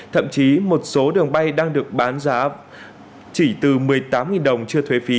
thậm chí một số đường bay đang được bán giá chỉ từ một mươi tám đồng chưa thuê phí